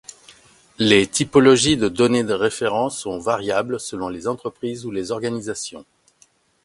Les typologies de données de référence sont variables selon les entreprises ou les organisations.